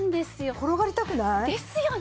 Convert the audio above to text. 転がりたくない？ですよね。